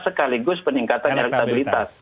sekaligus peningkatan elektabilitas